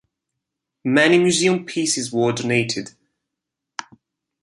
Many museum pieces were donated.